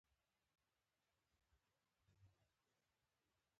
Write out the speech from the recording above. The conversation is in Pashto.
• ژړا د زړه بار سپکوي.